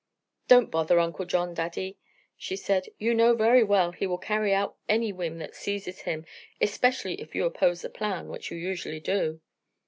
"Don't bother Uncle John, Daddy," she said. "You know very well he will carry out any whim that seizes him; especially if you oppose the plan, which you usually do."